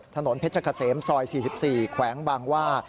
ถนนเพชรเกษมซอย๔๔แขวงบางว่า